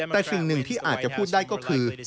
แต่สิ่งหนึ่งที่อาจจะพูดได้ก็คือ